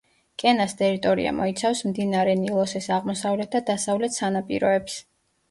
კენას ტერიტორია მოიცავს მდინარე ნილოსის აღმოსავლეთ და დასავლეთ სანაპიროებს.